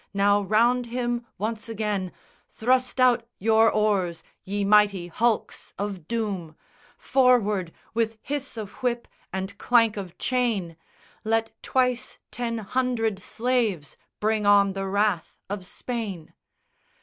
Now round him once again, Thrust out your oars, ye mighty hulks of doom; Forward, with hiss of whip and clank of chain! Let twice ten hundred slaves bring on the wrath of Spain!